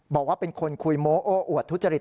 บอกว่าเป็นคนคุยโม้โอ้อวดทุจริต